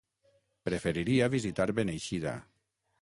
Preferiria visitar Beneixida.